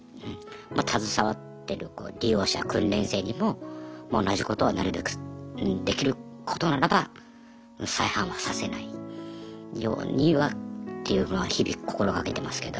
携わってる利用者訓練生にも同じことはなるべくできることならば再犯はさせないようにはっていうのは日々心掛けてますけど。